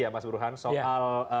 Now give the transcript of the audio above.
ya mas buruhan soal